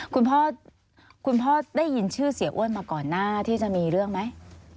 คุณพ่อคุณพ่อได้ยินชื่อเสียอ้วนมาก่อนหน้าที่จะมีเรื่องไหม